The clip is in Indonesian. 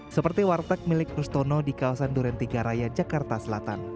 seperti warteg milik rustono di kawasan duren tiga raya jakarta selatan